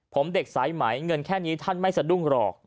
ผมเด็กสายไหมเงินแค่นี้ท่านไม่สะดุ้งหรอก